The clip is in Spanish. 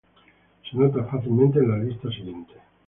Se nota fácilmente en la lista siguiente.